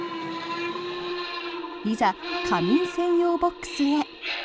いざ、仮眠専用ボックスへ。